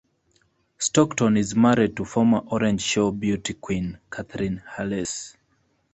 Stockton is married to former Orange Show beauty queen Catherine Hales.